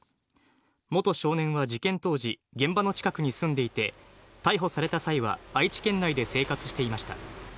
元少年は事件当時、現場の近くに住んでいて、逮捕された際は愛知県内で生活していました。